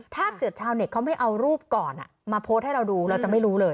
ถ้าเกิดชาวเน็ตเขาไม่เอารูปก่อนมาโพสต์ให้เราดูเราจะไม่รู้เลย